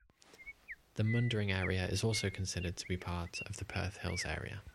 The Mundaring area is also considered to be part of the Perth Hills area.